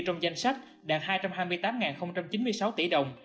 trong danh sách đạt hai trăm hai mươi tám chín mươi sáu tỷ đồng